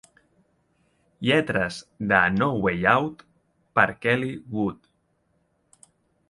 Lletres de "No Way Out" per Kelly Wood.